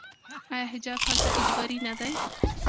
آیا حجاب هلته اجباري نه دی؟